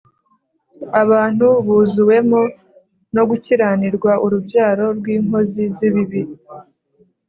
abantu buzuwemo no gukiranirwa, urubyaro rw’inkozi z’ibibi